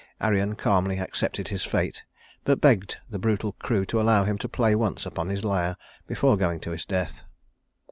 Arion calmly accepted his fate, but begged the brutal crew to allow him to play once upon his lyre before going to his death.